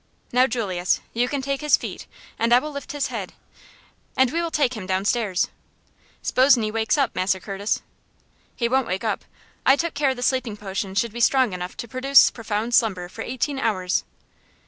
Now, Julius, you can take his feet and I will lift his head, and we will take him downstairs." "S'pos'n he wakes up, Massa Curtis?" "He won't wake up. I took care the sleeping potion should be strong enough to produce profound slumber for eighteen hours."